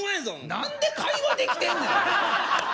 何で会話できてんねん！